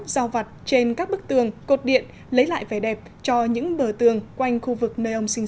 giao vặt trên các bức tường cột điện lấy lại vẻ đẹp cho những bờ tường quanh khu vực nơi ông sinh